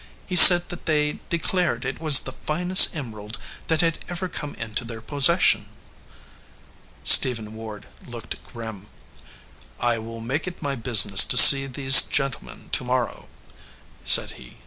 He said that they declared it was the finest emerald that had ever come into their possession." Stephen Ward looked grim. "I will make it my business to see these gentlemen to morrow," said he.